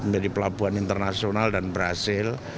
dari pelabuhan internasional dan berhasil